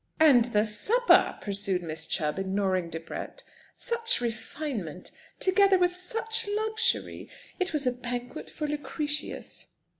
"And the supper!" pursued Miss Chubb, ignoring Debrett. "Such refinement, together with such luxury ! It was a banquet for Lucretius."